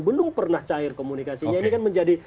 belum pernah cair komunikasinya ini kan menjadi